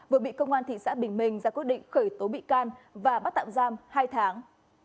vừa bị công an thị xã bình minh ra quyết định khởi tố bị can và bắt tạm giam hai tháng